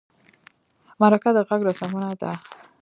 مرکه د غږ رسونه ده.